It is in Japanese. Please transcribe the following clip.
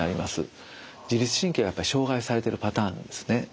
自律神経が障害されているパターンですね。